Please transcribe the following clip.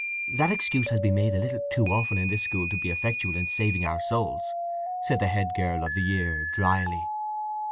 "That excuse has been made a little too often in this school to be effectual in saving our souls," said the head girl of the year, drily.